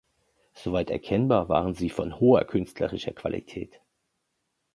Soweit erkennbar waren sie von hoher künstlerischer Qualität.